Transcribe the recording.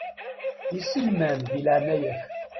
Iselman, di leɛnaya-k.